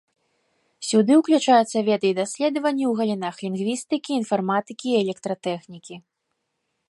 Сюды ўключаюцца веды і даследаванні ў галінах лінгвістыкі, інфарматыкі і электратэхнікі.